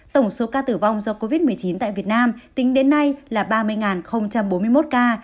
tổng số ca tử vong do covid một mươi chín tại việt nam tính đến nay là ba mươi bốn mươi một ca